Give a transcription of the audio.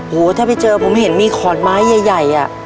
ถ้าไปเจอผมเห็นมีขอนไม้ใหญ่อะ